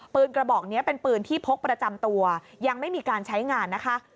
กระบอกนี้เป็นปืนที่พกประจำตัวยังไม่มีการใช้งานนะคะ